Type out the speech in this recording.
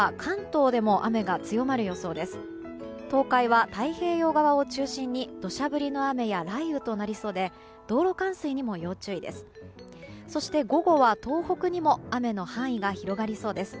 東海は太平洋側を中心に土砂降りの雨や雷雨となりそうで道路冠水にも要注意です。